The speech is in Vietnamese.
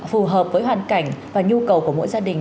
phù hợp với hoàn cảnh và nhu cầu của mỗi gia đình